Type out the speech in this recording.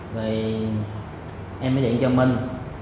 rồi em mới điện cho minh